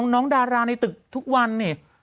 น้องดาราในตึกทุกวันนี่